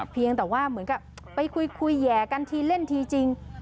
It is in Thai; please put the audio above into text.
เพียงแต่ว่าเหมือนกับไปคุยแหย่กันทีเล่นทีจริง